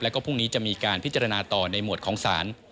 แล้วก็พรุ่งนี้จะมีการพิจารณาต่อในหมวดของศาล